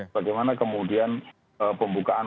bagaimana kemudian pembukaan